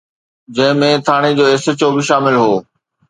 جنهن ۾ ٿاڻي جو ايس ايڇ او به شامل هو.